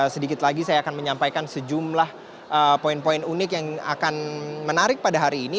sedikit lagi saya akan menyampaikan sejumlah poin poin unik yang akan menarik pada hari ini